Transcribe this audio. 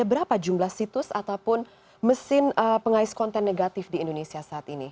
berapa jumlah situs ataupun mesin pengais konten negatif di indonesia saat ini